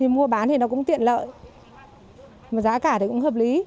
mua bán thì nó cũng tiện lợi mà giá cả thì cũng hợp lý